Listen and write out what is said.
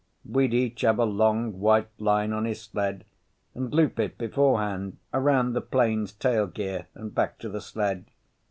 We'd each have a long white line on his sled and loop it beforehand around the plane's tail gear and back to the sled.